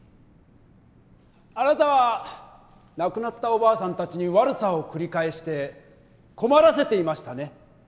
あなたは亡くなったおばあさんたちに悪さを繰り返して困らせていましたね。